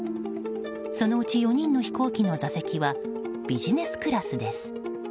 そのうち４人の飛行機の座席はビジネスクラスです。